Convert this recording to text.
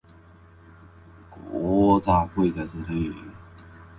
しばらくすると、主人は私を手まねで、彼の皿のところへ来い、と招きました。しかし、なにしろ私はテーブルの上を